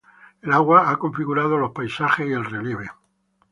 El agua ha configurado los paisajes y el relieve.